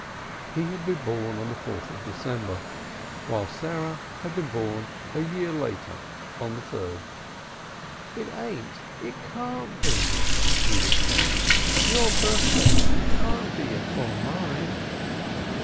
He had been born on the 4th of December while Sarah had been born a year later on the 3d. "It ain't, it can't be," he would say. "Your birfday can't be afore mine."